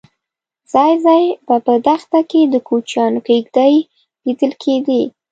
ځای ځای به په دښته کې د کوچیانو کېږدۍ لیدل کېدې.